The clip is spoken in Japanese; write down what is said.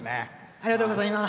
ありがとうございます。